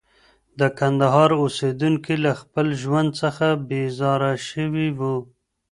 د کندهار اوسېدونکي له خپل ژوند څخه بېزاره شوي وو.